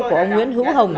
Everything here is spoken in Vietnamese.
của ông nguyễn hữu hồng